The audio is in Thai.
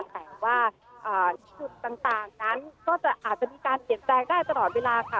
แต่ว่าจุดต่างนั้นก็อาจจะมีการเปลี่ยนแปลงได้ตลอดเวลาค่ะ